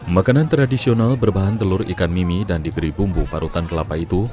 makanan tradisional berbahan telur ikan mimi dan diberi bumbu parutan kelapa itu